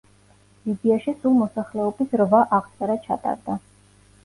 ლიბიაში სულ მოსახლეობის რვა აღწერა ჩატარდა.